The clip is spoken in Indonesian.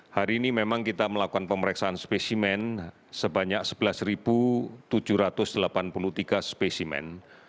hari ini memang kita melakukan pemeriksaan spesimen sebanyak sebelas tujuh ratus delapan puluh tiga spesimen